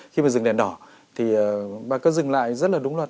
khi mà dừng đèn đỏ thì bà có dừng lại rất là đúng luật